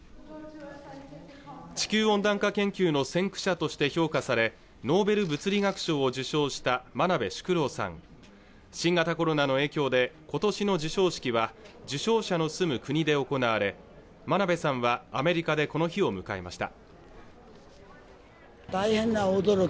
地球温暖化研究の先駆者として評価されノーベル物理学賞を受賞した真鍋淑郎さん新型コロナの影響でことしの授賞式は受賞者の住む国で行われ真鍋さんはアメリカでこの日を迎えました